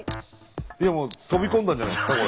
もう飛び込んだんじゃないですかこれ。